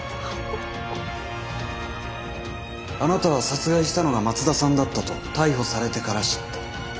あなたは殺害したのが松田さんだったと逮捕されてから知った。